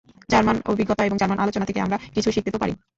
German অভিজ্ঞতা এবং German আলোচনা থেকে আমরা কিছু শিখতে তো পারি।